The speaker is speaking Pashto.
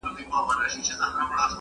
o مفت شراب قاضي لا خوړلي دي٫